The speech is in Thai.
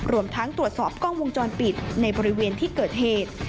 รวมทั้งตรวจสอบกล้องวงจรปิดในบริเวณที่เกิดเหตุ